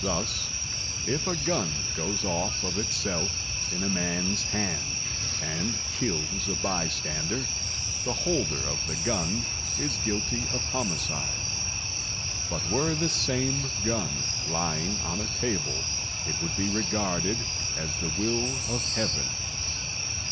Thus, if a gun goes off of itself in a man's hand and kills a bystander, the holder of the gun is guilty of homicide; but were the same gun lying on a table, it would be regarded as the will of Heaven.